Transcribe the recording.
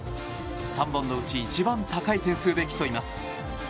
３本のうち一番高い点数で競います。